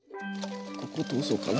ここ通そうかな。